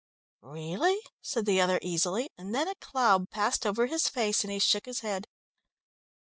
"Really?" said the other easily, and then a cloud passed over his face and he shook his head.